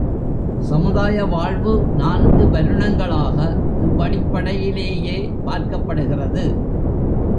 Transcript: சமுதாய வாழ்வு நான்கு வருணங்களாக இவ்வடிப்படையிலேயே பார்க்கப்படுகிறது.